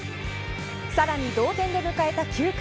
さらに同点で迎えた９回。